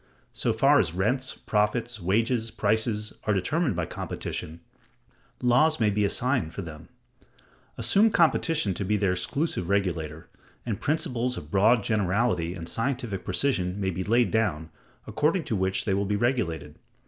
So far as rents, profits, wages, prices, are determined by competition, laws may be assigned for them. Assume competition to be their exclusive regulator, and principles of broad generality and scientific precision may be laid down, according to which they will be regulated.